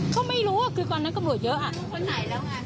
ก็เข้าบ้านได้